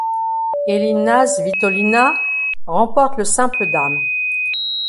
Elina Svitolina remporte le simple dames.